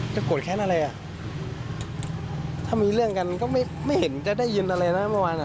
จะกดแค่นั้นเลยอ่ะถ้ามีเรื่องกันก็ไม่ไม่เห็นจะได้ยินอะไรเนอะ